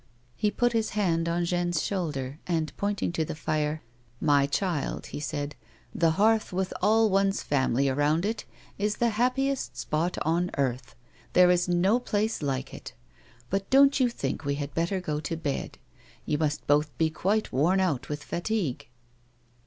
He put his hand on Jeanne's shoulder, and, pointing to the fire, "My child," he said, "the hearth with all one's family 80 A WOxMAN'S LIFE. around it is the happiest spot on earth ; there is no place like it. Bnt don't you think we had better go to bed ? You must both be quite worn out with fatigue."